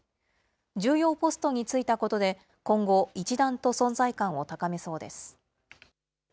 重要ポストに就いたことで今後、一段と存在感を高めそうです。